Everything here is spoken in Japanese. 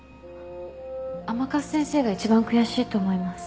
甘春先生が一番悔しいと思います。